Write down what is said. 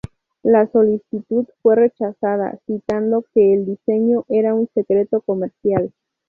La solicitud fue rechazada, citando que el diseño era un secreto comercial.